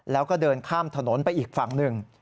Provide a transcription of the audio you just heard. แล้วก็เดินข้ามถนนไปอีกฝั่งหนึ่ง